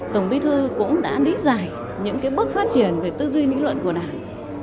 tổng bí thư cũng đã lý giải những bước phát triển về tư duy nghĩ luận của đảng